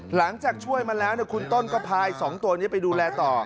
หลังจากช่วยมาแล้วคุณต้นก็พาอีก๒ตัวนี้ไปดูแลต่อ